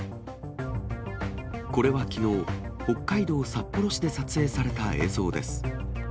これはきのう、北海道札幌市で撮影された映像です。